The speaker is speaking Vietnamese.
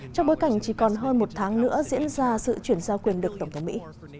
trong bối cảnh chỉ còn hơn một tháng nữa diễn ra sự chuyển giao quyền lực tổng thống mỹ